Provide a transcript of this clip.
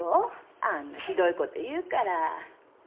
あんなひどいこと言うから。